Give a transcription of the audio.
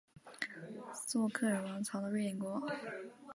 斯渥克尔王朝的瑞典国王。